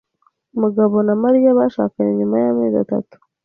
Mugabo na Mariya bashakanye nyuma y'amezi atatu.